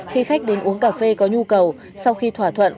khi khách đến uống cà phê có nhu cầu sau khi thỏa thuận